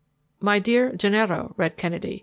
"My dear Gennaro," read Kennedy.